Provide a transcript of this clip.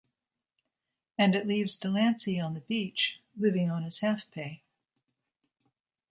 And it leaves Delancey on the beach, living on his half-pay.